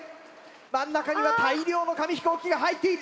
真ん中には大量の紙飛行機が入っている。